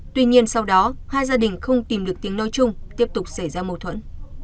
tuy nhiên sau đó hai gia đình không tìm được tiếng nói chung tiếp tục xảy ra mâu thuẫn